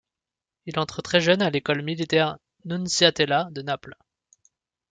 Il entre très jeune à l'école militaire Nunziatella de Naples.